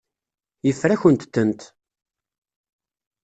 Yeffer-akent-tent.